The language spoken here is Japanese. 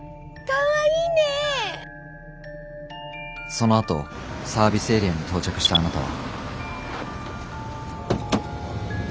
そのあとサービスエリアに到着したあなたは。